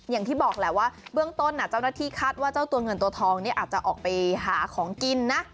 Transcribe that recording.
อย่างที่บอกแหละว่าเบื้องต้นเจ้าหน้าที่คาดว่าเจ้าตัวเงินตัวทองเนี่ยอาจจะออกไปหาของกินนะ